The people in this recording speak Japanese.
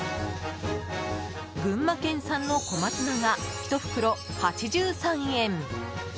群馬県産の小松菜が１袋８３円。